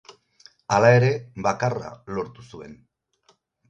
Hala ere, bakarra lortu zuen.